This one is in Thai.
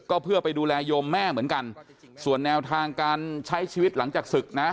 ก็เพื่อไปดูแลโยมแม่เหมือนกันส่วนแนวทางการใช้ชีวิตหลังจากศึกนะ